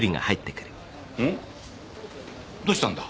どうしたんだ？